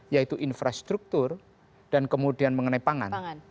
yaitu infrastruktur dan kemudian mengenai pangan